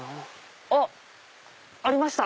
あっ！ありました。